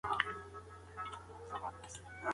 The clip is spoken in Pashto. ناورینونو پښتو ادب ته موضوعات ورکړل.